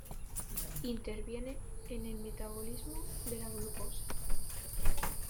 Interviene en el metabolismo de la glucosa.